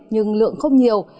nhưng lượng không nhiều